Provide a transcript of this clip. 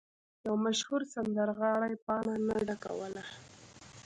یو مشهور سندرغاړی پاڼه نه ډکوله.